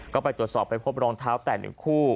เขาไปตรวจสอบไปพบรองเท้าแต่นึงคู่